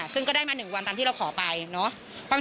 ซึ่งก็ได้มา๑วันตามที่เราขอไปเนาะ